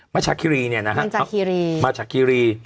มจภิรีเนี่ยนะครับมจภิรี